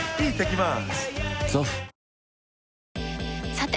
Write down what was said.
さて！